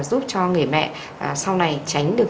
giúp cho người mẹ sau này tránh được